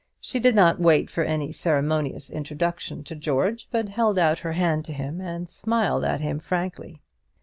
She did not wait for any ceremonious introduction to George, but held out her hand to him, and smiled at him frankly.